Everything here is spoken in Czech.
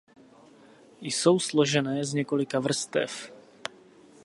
Jsou složené z několika vrstev.